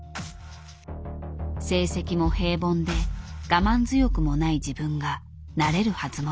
成績も平凡で我慢強くもない自分がなれるはずもない。